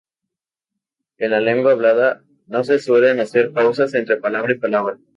En la lengua hablada no se suelen hacer pausas entre palabra y palabra.